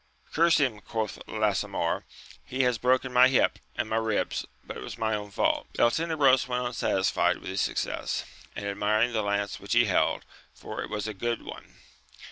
Curse him, quoth Lasamor, he has broken my hip and my ribs, but it was my own fault. Beltenebros went on satisfied with his success, and admiring the lance which he held, for it was a good one.